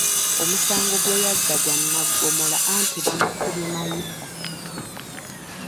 Omusango gwe yazza gwa nagomola anti bamusibye mayisa.